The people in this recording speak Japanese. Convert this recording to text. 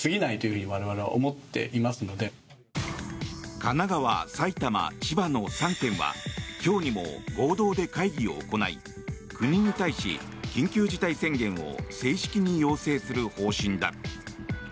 神奈川、埼玉、千葉の３県は今日にも合同で会議を行い国に対し緊急事態宣言を正式に要請する方針だ。